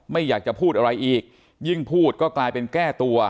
ไม่อยากจะพูดอะไรอีกยิ่งพูดก็กลายเป็นแก้ตัว